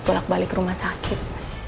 pulak balik rumah sakit